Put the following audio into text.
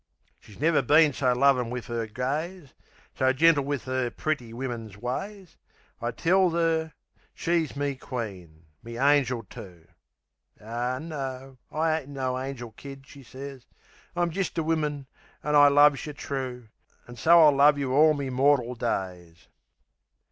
She's never been so lovin' wiv 'er gaze; So gentle wiv 'er pretty wimmin's ways. I tells 'er she's me queen, me angel, too. "Ah, no, I ain't no angel, Kid," she says. "I'm jist a woman, an' I loves yeh true! An' so I'll love yeh all me mortal days!"